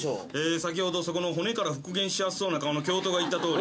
先ほどそこの骨から復元しやすそうな顔の教頭が言ったとおり。